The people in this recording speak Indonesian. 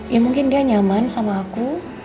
ya mungkin dia nyaman sama aku